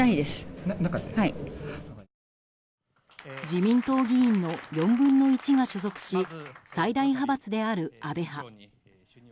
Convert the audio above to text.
自民党議員の４分の１が所属し最大派閥である安倍派。